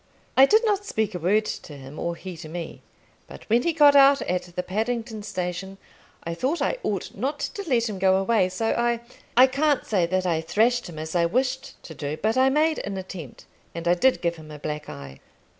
I did not speak a word to him, or he to me; but when he got out at the Paddington Station, I thought I ought not to let him go away, so I I can't say that I thrashed him as I wished to do; but I made an attempt, and I did give him a black eye.